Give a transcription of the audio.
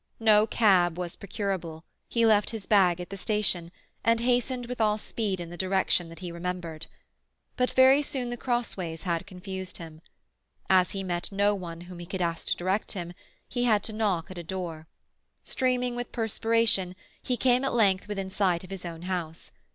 No cab was procurable; he left his bag at the station, and hastened with all speed in the direction that he remembered. But very soon the crossways had confused him. As he met no one whom he could ask to direct him, he had to knock at a door. Streaming with perspiration, he came at length within sight of his own house.